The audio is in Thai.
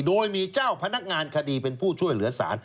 โดยมีเจ้าพนักงานคดีเป็นผู้ช่วยเหลือสาร